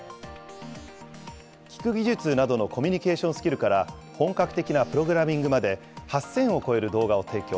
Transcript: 聞く技術などのコミュニケーションスキルから本格的なプログラミングまで、８０００を超える動画を提供。